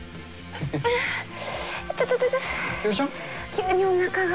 急におなかが。